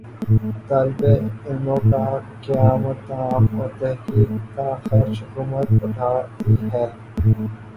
طالب علموں کا قیام و طعام اور تحقیق کا خرچ حکومت اٹھاتی ہے